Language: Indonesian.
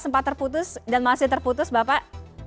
sempat terputus dan masih terputus bapak